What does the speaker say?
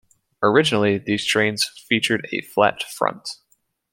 Originally, these trains featured a flat front.